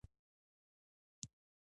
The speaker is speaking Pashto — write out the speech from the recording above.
يعنې د نړۍ د زياتره شاعرۍ غوندې